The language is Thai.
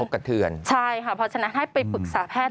เพราะฉะนั้นให้ไปปรึกษาแพทย์